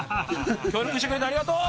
協力してくれてありがとう。